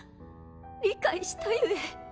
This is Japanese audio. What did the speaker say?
理解したゆえ。